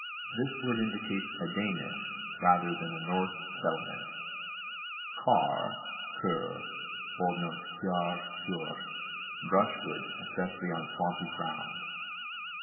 This word indicates a Danish rather than a Norse settlement. CAR(R), ker. O.N. kjarr, kjörr, brushwood, especially on swampy ground.